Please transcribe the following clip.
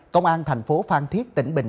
công an thành phố phan thiết